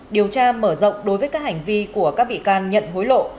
điều tra mở rộng đối với các hành vi của các bị can nhận hối lộ